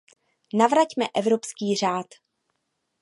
Navraťme evropský řád!